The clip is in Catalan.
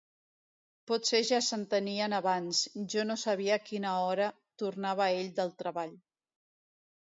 Potser ja s'entenien abans, jo no sabia a quina hora tornava ell del treball.